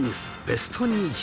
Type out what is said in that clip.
ベスト２０